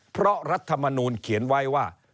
เพราะรัฐมนูลเขียนไว้ว่า